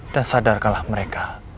dan sadarkalah mereka